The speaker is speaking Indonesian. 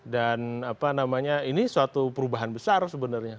dan apa namanya ini suatu perubahan besar sebenarnya